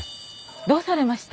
どうされました？